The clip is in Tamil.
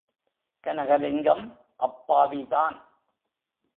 கனகலிங்கம் அப்பாவி தான்.